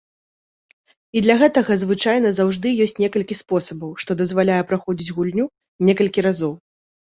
І для гэтага звычайна заўжды ёсць некалькі спосабаў, што дазваляе праходзіць гульню некалькі разоў.